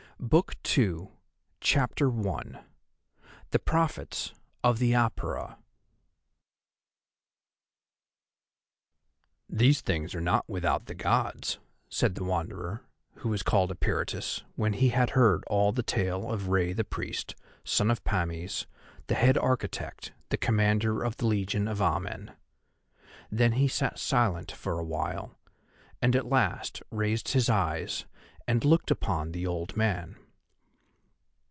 BOOK II CHAPTER I. THE PROPHETS OF THE APURA "These things are not without the Gods," said the Wanderer, who was called Eperitus, when he had heard all the tale of Rei the Priest, son of Pames, the Head Architect, the Commander of the Legion of Amen. Then he sat silent for a while, and at last raised his eyes and looked upon the old man.